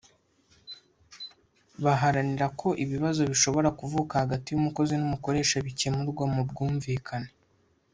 baharanira ko ibibazo bishobora kuvuka hagati y’umukozi n’umukoresha bikemurwa mu bwumvikane